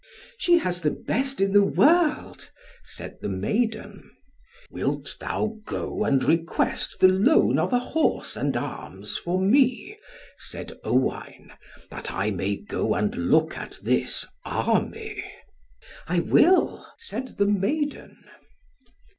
"She has the best in the world," said the maiden. "Wilt thou go and request the loan of a horse and arms for me," said Owain, "that I may go and look at this army?" "I will," said the maiden.